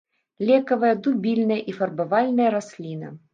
Лекавая, дубільная і фарбавальная расліна.